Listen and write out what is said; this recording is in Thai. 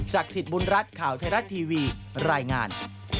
สิทธิ์บุญรัฐข่าวไทยรัฐทีวีรายงาน